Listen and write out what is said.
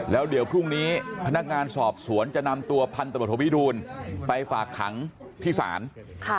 แล้วเดี๋ยวพรุ่งนี้พนักงานสอบสวนจะนำตัวพันธบทโทวิดูลไปฝากขังที่ศาล